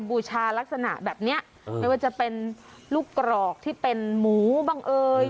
บูชาลักษณะแบบเนี้ยไม่ว่าจะเป็นลูกกรอกที่เป็นหมูบังเอย